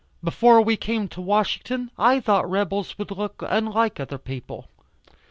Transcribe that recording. Before we came to Washington I thought rebels would look unlike other people.